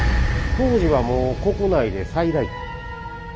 当時はもう国内で最大級。